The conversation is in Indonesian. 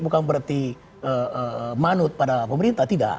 bukan berarti manut pada pemerintah tidak